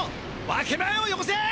分け前をよこせ！